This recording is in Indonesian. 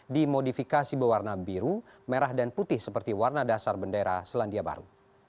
dimodifikasi berwarna biru merah dan putih seperti warna dasar bendera selandia baru